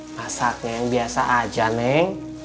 masaknya yang biasa saja neng